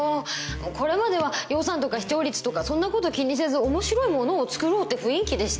これまでは予算とか視聴率とかそんなこと気にせず面白いものを作ろうって雰囲気でした。